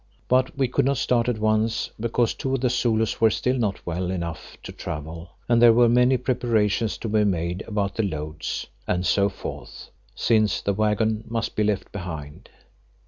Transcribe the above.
But we could not start at once because two of the Zulus were still not well enough to travel and there were many preparations to be made about the loads, and so forth, since the waggon must be left behind.